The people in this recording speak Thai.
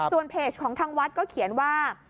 ส่วนเพจของทางวัดก็เขียนว่า